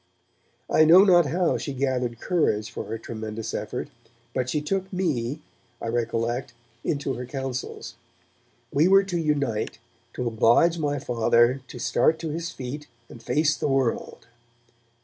I know not how she gathered courage for her tremendous effort, but she took me, I recollect, into her counsels. We were to unite to oblige my Father to start to his feet and face the world.